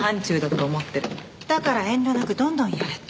だから遠慮なくどんどんやれと？